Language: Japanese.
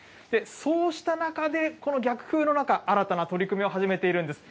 そうした中で、この逆風の中、新たな取り組みを始めているんです。